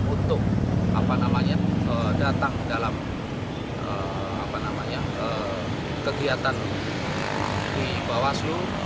untuk datang dalam kegiatan di bawaslu